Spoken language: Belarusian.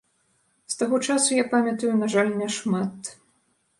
З таго часу я памятаю, на жаль, не шмат.